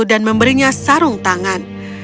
dan memberinya sarung tangan